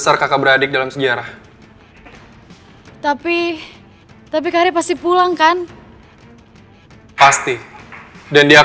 sampai jumpa di video selanjutnya